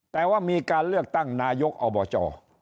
แต่ว่ามีการเลือกตั้งนายกอบจ